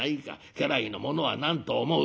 家来の者は何と思う？